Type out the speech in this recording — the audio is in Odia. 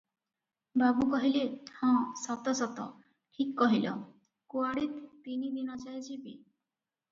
ବାବୁ କହିଲେ – ହଁ, ସତ – ସତ, ଠିକ୍ କହିଲ, କୁଆଡ଼େ ତିନି ଦିନ ଯାଏ ଯିବି?